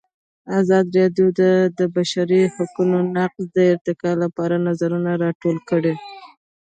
ازادي راډیو د د بشري حقونو نقض د ارتقا لپاره نظرونه راټول کړي.